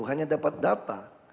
hanya dapat data